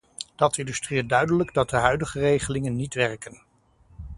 Dat illustreert duidelijk dat de huidige regelingen niet werken.